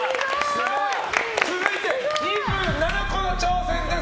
続いて、２７個の挑戦です。